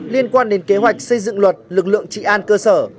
liên quan đến kế hoạch xây dựng luật lực lượng trị an cơ sở